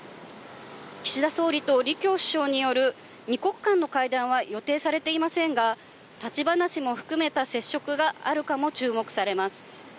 岸田総理とリ・キョウ首相による２国間の会談は予定されていませんが、立ち話も含めた接触があるかも注目されます。